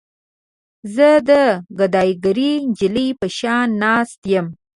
زه د ګداګرې نجلۍ په شان ناسته یم.